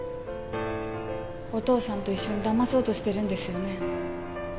お父さんと一緒にだまそうとしてるんですよね？